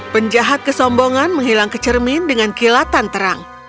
penjahat kesombongan menghilang ke cermin dengan kilatan terang